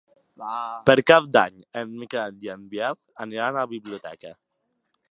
Per Cap d'Any en Miquel i en Biel aniran a la biblioteca.